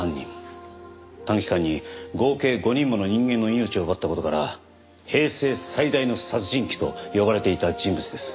短期間に合計５人もの人間の命を奪った事から「平成最大の殺人鬼」と呼ばれていた人物です。